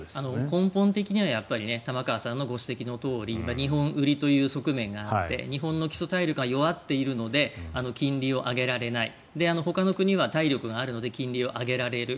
根本的には玉川さんのご指摘のとおり日本売りという側面があって日本の基礎体力が弱っているので金利を上げられないほかの国は体力があるので金利が上げられる。